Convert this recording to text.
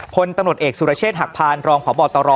พลตำรวจเอกสุรเชษฐหักพานรองพบตร